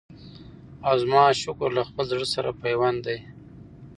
او زما شکر له خپل زړه سره پیوند دی